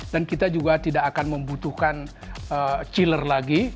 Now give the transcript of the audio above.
dan kita juga tidak akan membutuhkan chiller lagi